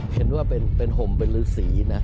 เห็นว่าเป็นห่มเป็นฤษีนะ